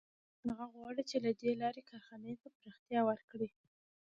هغه غواړي چې له دې لارې کارخانې ته پراختیا ورکړي